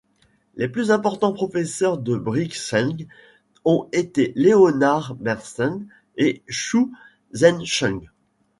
Les plus importants professeurs de Bright Sheng ont été Leonard Bernstein et Chou Wen-chung.